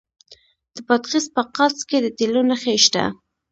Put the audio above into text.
د بادغیس په قادس کې د تیلو نښې شته.